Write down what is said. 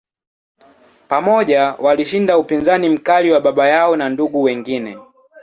Pamoja, walishinda upinzani mkali wa baba yao na ndugu wengine.